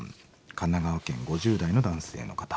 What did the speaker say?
神奈川県５０代の男性の方。